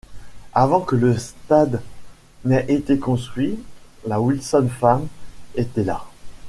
Avant que le stade n'ait été construit, la Wilson Farm était là.